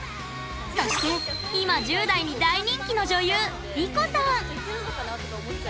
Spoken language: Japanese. そして今１０代に大人気の女優莉子さん。